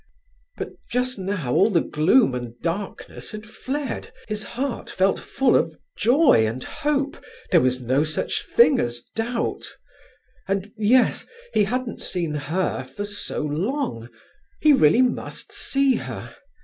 But just now all the gloom and darkness had fled, his heart felt full of joy and hope, there was no such thing as doubt. And yes, he hadn't seen her for so long; he really must see her.